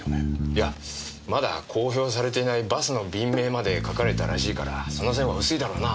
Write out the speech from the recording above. いやまだ公表されていないバスの便名まで書かれてたらしいからその線は薄いだろうな。